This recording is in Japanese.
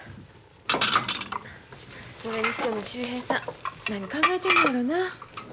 それにしても秀平さん何考えてるのやろな。